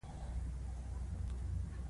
خو زه بیا هم پر فرماسون عقیده نه لرم.